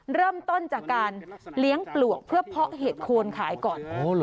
เริ่มต้นจากการเลี้ยงปลวกเพื่อเพาะเห็ดโคนขายก่อน